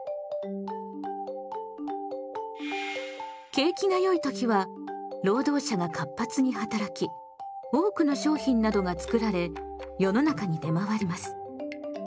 景気がよい時は労働者が活発に働き多くの商品などが作られ世の中に出回ります。